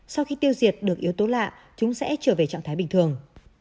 sau khi tiêu diệt được yếu tố lạ chúng sẽ trở về trạng thái bình thường